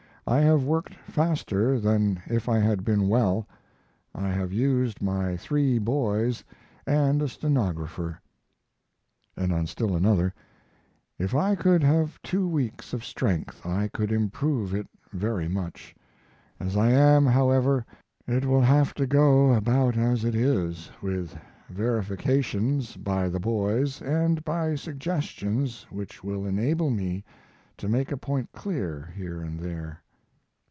I have worked faster than if I had been well. I have used my three boys and a stenographer. And on still another: If I could have two weeks of strength I could improve it very much. As I am, however, it will have to go about as it is, with verifications by the boys and by suggestions which will enable me to make a point clear here and there.